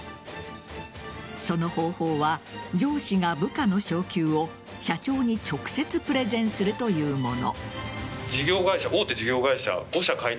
その方法は上司が部下の昇給を社長に直接プレゼンするというもの。